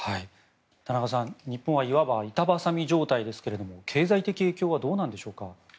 田中さん、日本はいわば板挟み状態ですが経済的影響はどうなんでしょうか。